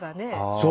そう！